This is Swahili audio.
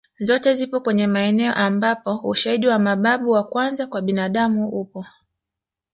Zote zipo kwenye maeneo ambapo ushaidi wa mababu wa kwanza kwa binadamu upo